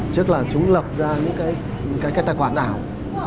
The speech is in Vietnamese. trước là chúng lập ra những cái tài khoản ảo